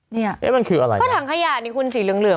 เนี่ยคุณสีเหลืองใช่ไหมมันคืออะไร